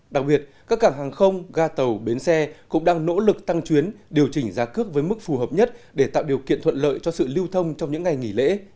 đặc biệt các cảng hàng không ga tàu bến xe cũng đang nỗ lực tăng chuyến điều chỉnh giá cước với mức phù hợp nhất để tạo điều kiện thuận lợi cho sự lưu thông trong những ngày nghỉ lễ